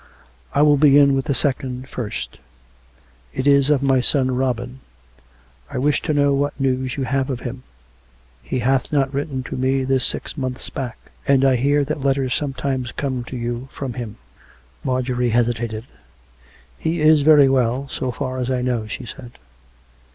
" I will begin with the second first. It is of my son Robin: I wish to know what news you have of him. He hath not written to me this six months back. And I hear that letters sometimes come to you from him." Marjorie hesitated. " He is very well, so far as I know," she said.